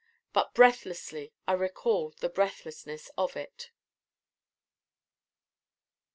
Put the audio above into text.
But breathlessly I recall the breathlessness of it.